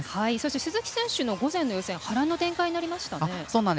鈴木選手の午前の予選は波乱の展開になりましたね。